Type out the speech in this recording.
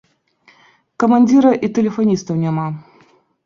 Камандзіра і тэлефаністаў няма.